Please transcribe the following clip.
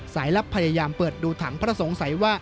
ลับพยายามเปิดดูถังเพราะสงสัยว่า